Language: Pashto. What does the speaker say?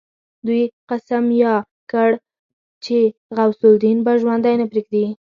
دوی قسم ياد کړ چې غوث الدين به ژوندی نه پريږدي.